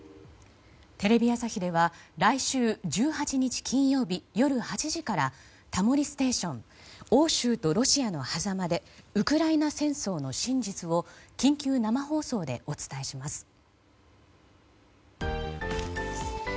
テレビ朝日では来週１８日金曜日夜８時から「タモリステーション欧州とロシアの狭間でウクライナ戦争の真実」を緊急生放送でお伝えします。